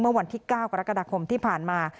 เมื่อวันที่๙กรกฎาคมที่ผ่านมา